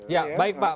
ya baik pak